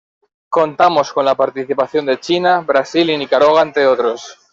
Contamos con la participación de China, Brasil y Nicaragua entre otros.